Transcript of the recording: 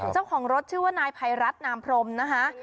เจ้าของรถชื่อว่านายภัยรัฐนามพรมนะคะ